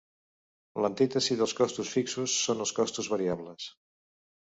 L'antítesi dels costos fixos són els costos variables.